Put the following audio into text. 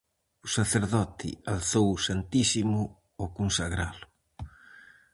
O sacerdote alzou o Santísimo ao consagralo.